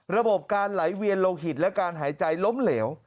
ระบบการไหลเวียนโลหิตและการหายใจล้มเหลว